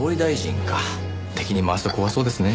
敵に回すと怖そうですね。